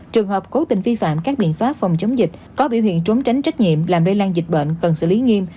trường hợp cố tình vi phạm các biện pháp phòng chống dịch có biểu hiện trốn tránh trách nhiệm làm lây lan dịch bệnh cần xử lý nghiêm